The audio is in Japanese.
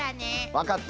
分かった。